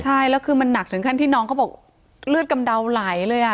ใช่แล้วคือมันหนักถึงขั้นที่น้องเขาบอกเลือดกำเดาไหลเลยอ่ะ